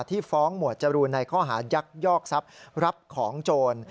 ฟ้องหมวดจรูนในข้อหายักยอกทรัพย์รับของโจร